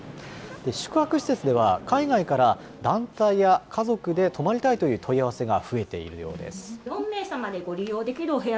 宿泊施設では、海外から団体や家族で泊まりたいという問い合わせが増えているようです。